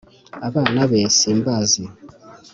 Abana be simbazi